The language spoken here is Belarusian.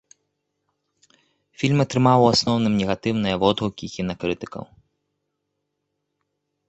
Фільм атрымаў у асноўным негатыўныя водгукі кінакрытыкаў.